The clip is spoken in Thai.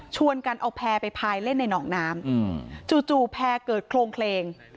ชวนกันเอาแพทย์ไปพายเล่นในนอกน้ำจู่แพทย์เกิดโครงเครง